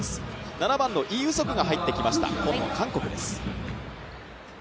７番のイ・ウソクが入ってきました、紺の韓国です。